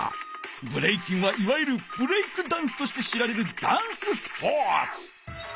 ブレイキンはいわゆるブレイクダンスとして知られるダンススポーツ！